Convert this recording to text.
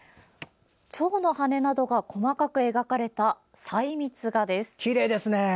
チョウの羽などが細かく描かれた細密画です。